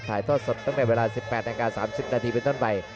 ทอดสดตั้งแต่เวลา๑๘นาที๓๐นาทีเป็นต้นไป